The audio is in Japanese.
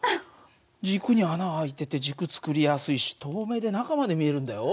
軸に穴開いてて軸作りやすいし透明で中まで見えるんだよ。